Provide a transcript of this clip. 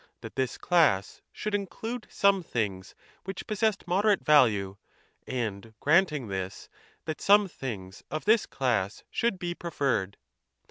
thatthiselassshould include somethings which possessed moderate value, and, granting this, that some things of this class should be preferred.'